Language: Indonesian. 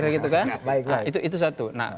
gitu kan itu satu nah